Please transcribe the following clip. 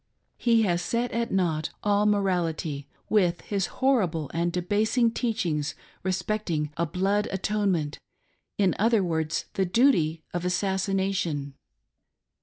He has set at nought all moral ity with his horrible and debasing teachings respecting a " blood atonement "— in other words, the duty of assassination.